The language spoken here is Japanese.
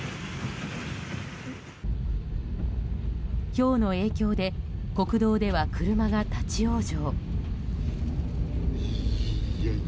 ひょうの影響で国道では車が立ち往生。